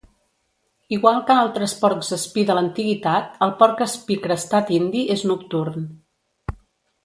Igual que altres porcs espí de l'antiguitat, el porc espí crestat indi és nocturn.